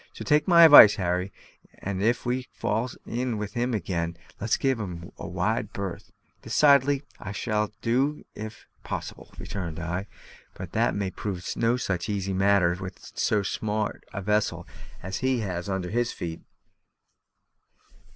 So take my advice, Harry, and, if we fall in with him again, let's give him a wide berth." "Decidedly; I shall do so if possible," returned I. "But that may prove no such easy matter with so smart a vessel as he has under his feet."